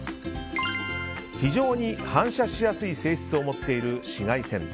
非常に反射しやすい性質を持っている紫外線。